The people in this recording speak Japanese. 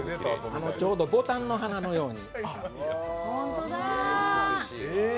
ちょうどぼたんの花のように。